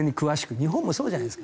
日本もそうじゃないですか。